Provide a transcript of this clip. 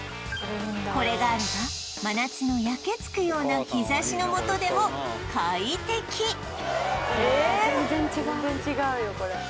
これがあれば真夏の焼け付くような日差しのもとでも快適うわ